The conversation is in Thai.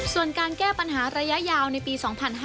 ส่วนการแก้ปัญหาระยะยาวในปี๒๕๕๙